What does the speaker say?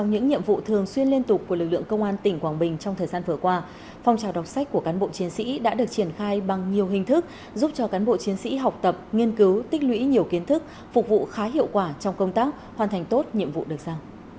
trong những nhiệm vụ thường xuyên liên tục của lực lượng công an tỉnh quảng bình trong thời gian vừa qua phong trào đọc sách của cán bộ chiến sĩ đã được triển khai bằng nhiều hình thức giúp cho cán bộ chiến sĩ học tập nghiên cứu tích lũy nhiều kiến thức phục vụ khá hiệu quả trong công tác hoàn thành tốt nhiệm vụ được giao